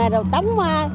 rồi tấm hoa